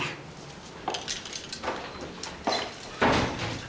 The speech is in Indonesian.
lu akan jatuh terlepas